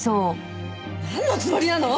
なんのつもりなの！？